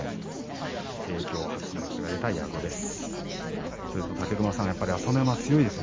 今日、初白星が出た矢後です。